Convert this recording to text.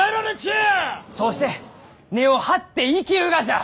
そうして根を張って生きるがじゃ！